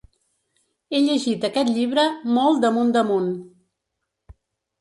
He llegit aquest llibre molt damunt damunt.